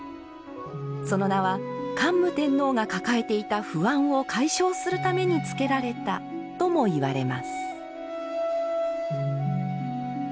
その名は、桓武天皇が抱えていた不安を解消するためにつけられたとも言われます。